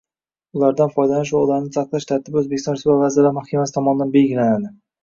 ulardan foydalanish va ularni saqlash tartibi O‘zbekiston Respublikasi Vazirlar Mahkamasi tomonidan belgilanadi.